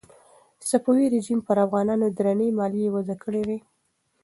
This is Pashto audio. صفوي رژیم پر افغانانو درنې مالیې وضع کړې وې.